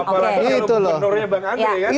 apa lagi kalau gubernurnya bang andri ya